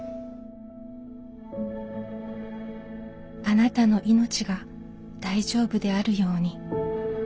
「あなたのいのちが大丈夫であるように」。